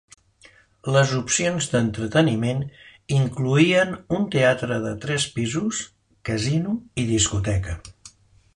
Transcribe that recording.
Les opcions d'entreteniment incloïen un teatre de tres pisos, casino i discoteca.